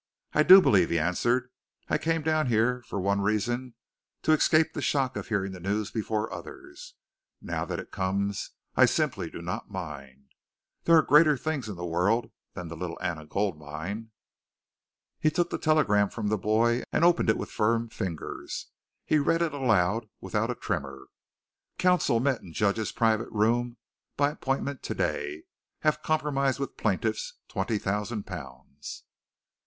"I do believe," he answered. "I came down here, for one reason, to escape the shock of hearing the news before others. Now that it comes, I simply do not mind. There are greater things in the world than the Little Anna Gold Mine!" He took the telegram from the boy, and opened it with firm fingers. He read it out aloud without a tremor: Counsel met in judge's private room by appointment to day. Have compromised with plaintiffs twenty thousand pounds.